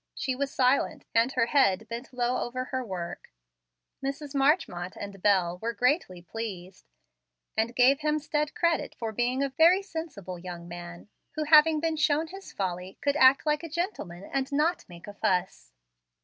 She was silent, and her head bent low over her work. Mrs. Marchmont and Bel were greatly pleased, and gave Hemstead credit for being a "very sensible young man, who, having been shown his folly, could act like a gentleman and not make a fuss."